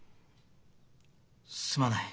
すまない。